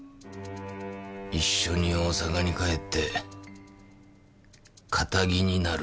一緒に大阪に帰ってカタギになると。